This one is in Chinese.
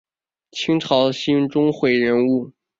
清朝兴中会人物。